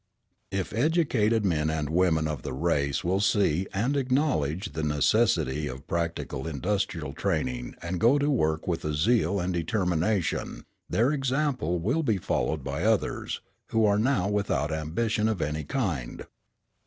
If educated men and women of the race will see and acknowledge the necessity of practical industrial training and go to work with a zeal and determination, their example will be followed by others, who are now without ambition of any kind.